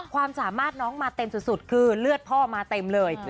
ความสามารถน้องมาเต็มสุดคือเลือดพ่อมาเต็มเลย